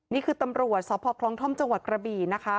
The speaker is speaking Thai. นี่คือตำรวจสพคลองท่อมจังหวัดกระบี่นะคะ